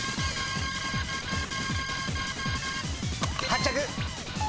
発着。